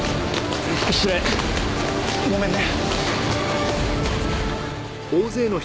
ごめんね。